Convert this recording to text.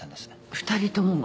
２人ともが？